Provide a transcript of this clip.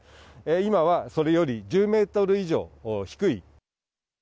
今はそれより１０メートル以上低い。